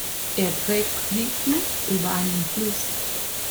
Er trägt Christus über einen Fluss.